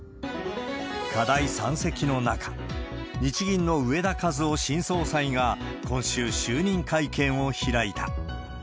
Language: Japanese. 課題山積の中、日銀の植田和男新総裁が今週、就任会見を開いた。